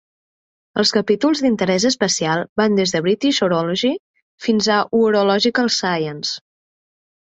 Els capítols d'interès especial van des de "British Horology" fins a "Horological Science".